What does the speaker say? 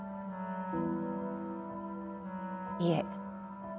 いえ。